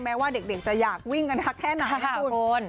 แม้ว่าเด็กจะอยากวิ่งกันนะแค่นั้นคุณ